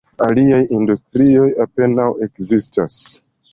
Aliaj industrioj apenaŭ ekzistas.